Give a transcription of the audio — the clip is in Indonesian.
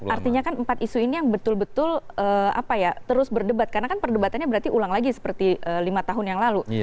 artinya kan empat isu ini yang betul betul terus berdebat karena kan perdebatannya berarti ulang lagi seperti lima tahun yang lalu